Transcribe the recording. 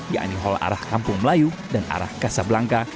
yakni hal arah kampung melayu dan arah kasablangka